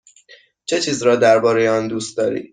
چه چیز را درباره آن دوست داری؟